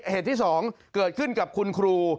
เหตุที่๒เกิดขึ้นกับคุณครู